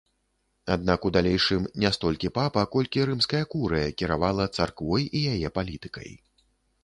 Аднак у далейшым не столькі папа, колькі рымская курыя кіравала царквой і яе палітыкай.